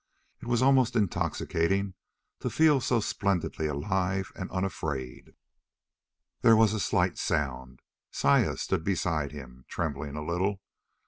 It was almost intoxicating to feel so splendidly alive and unafraid. There was a slight sound. Saya stood beside him, trembling a little.